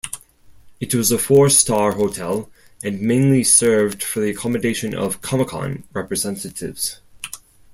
It was a four-star hotel and mainly served for the accommodation of Comecon representatives.